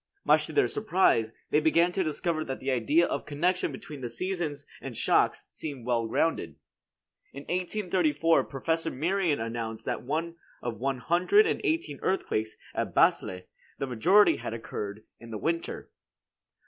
Much to their surprise, they began to discover that the idea of connection between the seasons and shocks seemed well grounded. In 1834 Professor Merian announced that of one hundred and eighteen earthquakes at Basle, the majority had occurred in the winter.